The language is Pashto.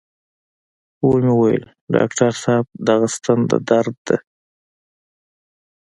و مې ويل ډاکتر صاحب دغه ستن د درد ده.